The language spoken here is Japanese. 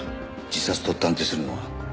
自殺と断定するのは。